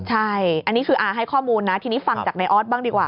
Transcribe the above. ใช่อันนี้คืออาให้ข้อมูลนะทีนี้ฟังจากนายออสบ้างดีกว่า